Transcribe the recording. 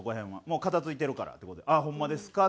「もう片付いてるから」って事で「あっホンマですか」